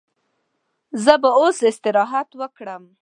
زه به اوس استراحت وکړم.